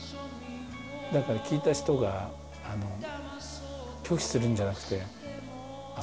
だから聴いた人が拒否するんじゃなくてああ